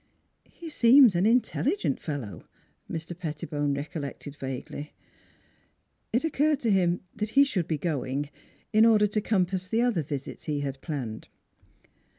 " He seems an intelligent fellow," Mr. Petti bone recollected vaguely. It occurred to him that he should be going, in order to compass the other visits he had planned.